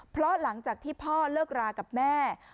เพราะหลังจากที่พ่อเลิกรากับแม่